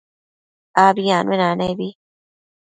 Abi anuenanebi